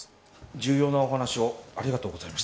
「重要なお話をありがとうございました」